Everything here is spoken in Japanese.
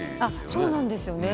そうなんですよね。